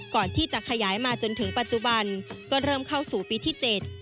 ก่อนที่จะขยายมาจนถึงปัจจุบันก็เริ่มเข้าสู่ปีที่๗